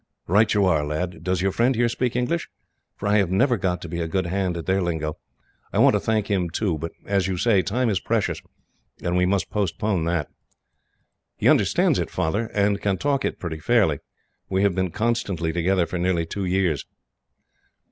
"Right you are, lad. Does your friend here speak English? For I have never got to be a good hand at their lingo. I want to thank him, too, but as you say, time is precious, and we must postpone that." "He understands it, Father, and can talk it pretty fairly. We have been constantly together for nearly two years.